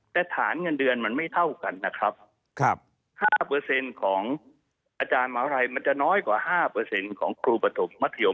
แต่ฐานเงินเดือนมันไม่เท่ากันนะครับ๕เปอร์เซ็นต์ของอาจารย์อะไรมันจะน้อยกว่า๕เปอร์เซ็นต์ของครูปฐมมัธยม